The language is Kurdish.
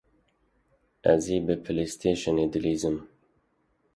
Ezê bi pilêstêşinê di lîz im